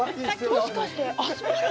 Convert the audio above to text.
もしかしてアスパラ？